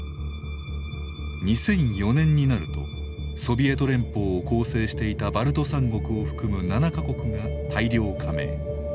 ２００４年になるとソビエト連邦を構成していたバルト３国を含む７か国が大量加盟。